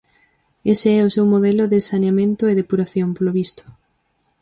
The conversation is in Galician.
Ese é o seu modelo de saneamento e depuración, polo visto.